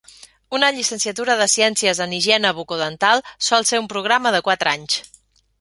Una llicenciatura de ciències en Higiene Bucodental sol ser un programa de quatre anys.